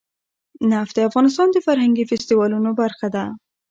نفت د افغانستان د فرهنګي فستیوالونو برخه ده.